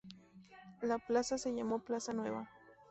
La plaza se llamó plaza Nueva.